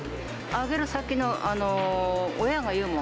あげる先の親が言うもん。